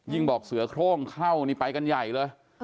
บอกเสือโครงเข้านี่ไปกันใหญ่เลย